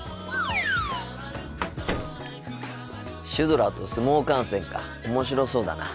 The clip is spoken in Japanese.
シュドラと相撲観戦か面白そうだな。